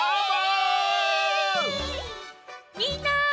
みんな！